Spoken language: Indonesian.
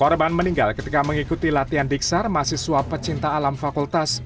korban meninggal ketika mengikuti latihan diksar mahasiswa pecinta alam fakultas